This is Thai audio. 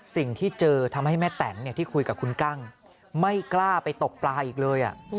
สิ่งที่เจอทำให้แม่แตนที่คุยกับคุณกั้งไม่กล้าไปตกปลาอีกเลย